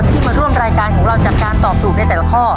มาร่วมรายการของเราจากการตอบถูกในแต่ละข้อ